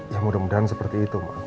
ya mudah mudahan seperti itu mbak